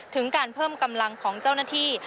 ถึงการเพิ่มกำลังของเจ้าหน้าที่